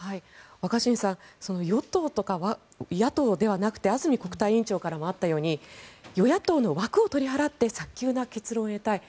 若新さん与党とか野党ではなくて安住国対委員長からもあったように与野党の枠を取り払って早急な結論を得たい。